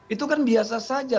itu kan biasa saja